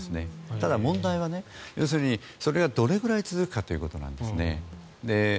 ただ、問題はそれがどれくらい続くかということですね。